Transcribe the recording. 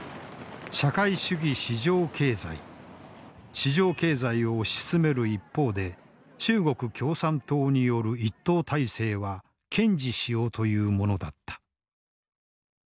市場経済を推し進める一方で中国共産党による一党体制は堅持しようというものだった。